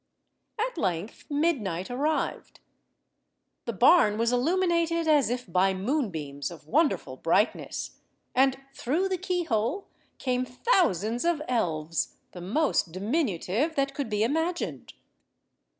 At length midnight arrived. The barn was illuminated as if by moonbeams of wonderful brightness, and through the keyhole came thousands of elves, the most diminutive that could be imagined.